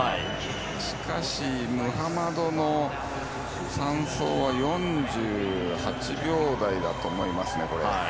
しかし、ムハマドの３走は４８秒台だと思いますね。